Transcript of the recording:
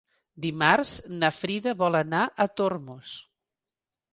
Dimarts na Frida vol anar a Tormos.